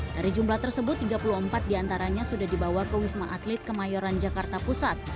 dari jumlah tersebut tiga puluh empat diantaranya sudah dibawa ke wisma atlet kemayoran jakarta pusat